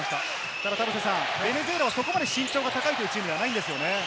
ただ、ベネズエラはそこまで身長が高いチームではないんですよね。